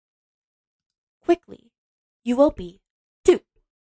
Quickly, you will be, to.